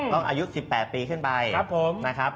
อายุ๑๘ปีขึ้นไปนะครับ